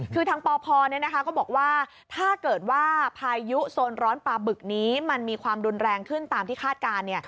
คือทางปพก็บอกว่าถ้าเกิดว่าพายุโซนร้อนปลาบึกนี้มันมีความรุนแรงขึ้นตามที่คาดการณ์